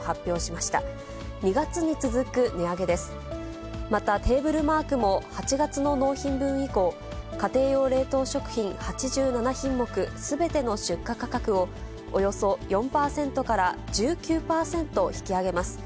また、テーブルマークも８月の納品分以降、家庭用冷凍食品８７品目すべての出荷価格を、およそ４％から１９％引き上げます。